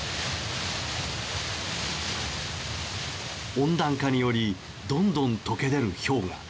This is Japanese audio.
温暖化によりどんどん解け出る氷河。